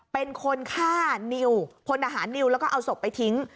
เป็นคนฆ่านิวพลทหารนิวแล้วก็เอาศพไปทิ้ง